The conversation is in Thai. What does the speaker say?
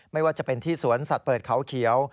ไม่ว่าจะเป็นที่สวนสัตว์เปิดเขาเขียว